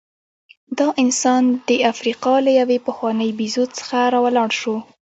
دا انسان د افریقا له یوې پخوانۍ بیزو څخه راولاړ شو.